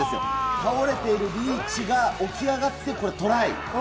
倒れているリーチが起き上がって、これ、トライ。